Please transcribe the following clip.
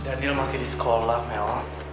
daniel masih di sekolah memang